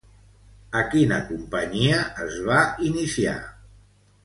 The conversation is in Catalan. A quina companyia es va iniciar?